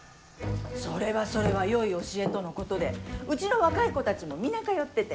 それはそれはよい教えとのことでうちの若い子たちも皆通ってて。